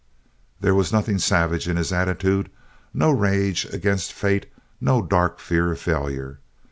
There was nothing savage in his attitude, no rage against fate, no dark fear of failure.